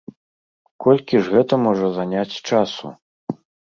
Колькі ж гэта можа заняць часу?